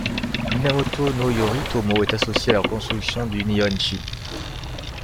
Minamoto no Yoritomo est associé à la reconstruction du Nihon-ji.